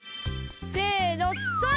せのそれ！